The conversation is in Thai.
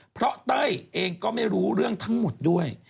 เพราะเต้ยเองก็ไม่รู้เรื่องทั้งหมดด้วย